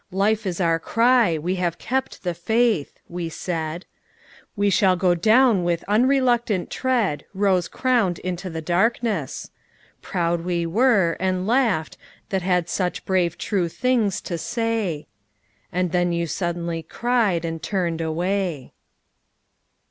Life is our cry. We have kept the faith!" we said; "We shall go down with unreluctant tread Rose crowned into the darkness!" ... Proud we were, And laughed, that had such brave true things to say. And then you suddenly cried, and turned away.